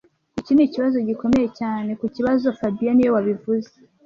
Iki nikibazo gikomeye cyane kukibazo fabien niwe wabivuze